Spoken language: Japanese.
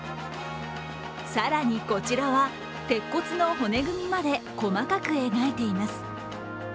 更に、こちらは鉄骨の骨組みまで細かく描いています。